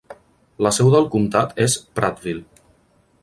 La seu del comtat és Prattville.